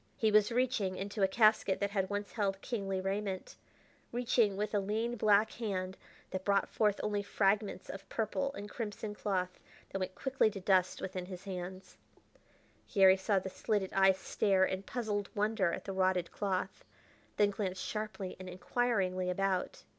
He was reaching, into a casket that had once held kingly raiment reaching with a lean black hand that brought forth only fragments of purple and crimson cloth that went quickly to dust within his hands. Garry saw the slitted eyes stare in puzzled wonder at the rotted cloth, then glance sharply and inquiringly about.